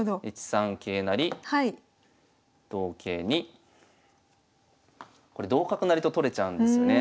１三桂成同桂にこれ同角成と取れちゃうんですよね。